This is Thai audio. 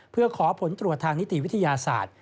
เพื่อขอผลตรวจทางนิติวิทยาศาสตร์